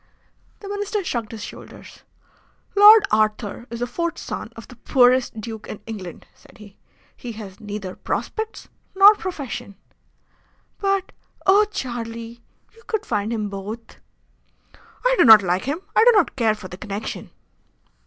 The Minister shrugged his shoulders. "Lord Arthur is the fourth son of the poorest duke in England," said he. "He has neither prospects nor profession." "But, oh! Charlie, you could find him both." "I do not like him. I do not care for the connection."